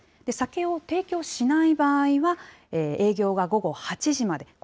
酒を提供しない場合は、営業が午後８時まで。